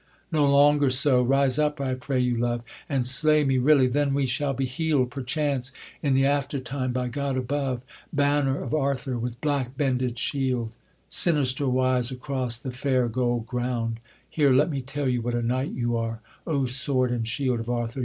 'No longer so, rise up, I pray you, love, And slay me really, then we shall be heal'd, Perchance, in the aftertime by God above.' 'Banner of Arthur, with black bended shield Sinister wise across the fair gold ground! Here let me tell you what a knight you are, O sword and shield of Arthur!